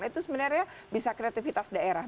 itu sebenarnya bisa kreativitas daerah